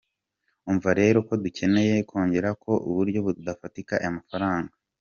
Urumva rero ko dukeneye kongera ku buryo bufatika aya mafaranga.